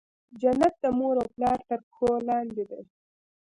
جنت د مور او پلار تر پښو لاندي دی.